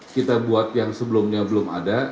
kita buat yang sebelumnya belum ada